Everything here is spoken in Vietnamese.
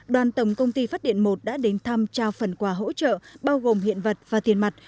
đoàn tổng công ty phát điện một đã đến thăm trao phần quà hỗ trợ bao gồm hiện vật và tiền mặt